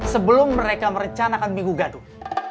sebelum mereka merencanakan minggu gaduh